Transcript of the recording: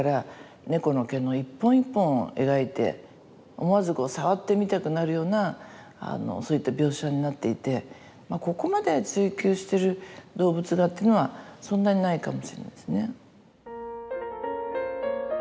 思わずこう触ってみたくなるようなそういった描写になっていてここまで追求してる動物画っていうのはそんなにないかもしれないですね。